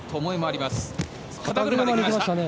肩車できました。